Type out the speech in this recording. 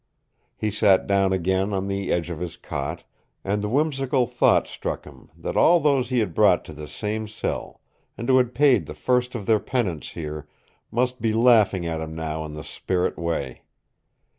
He sat down again on the edge of his cot, and the whimsical thought struck him that all those he had brought to this same cell, and who had paid the first of their penance here, must be laughing at him now in the spirit way.